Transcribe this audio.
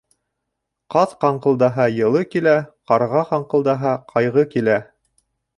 Ҡаҙ ҡаңҡылдаһа, йылы килә, ҡарға ҡарҡылдаһа, ҡайғы килә.